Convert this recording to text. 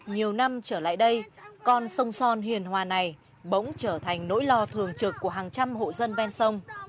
nhiều năm trở lại đây con sông son hiền hòa này bỗng trở thành nỗi lo thường trực của hàng trăm hộ dân ven sông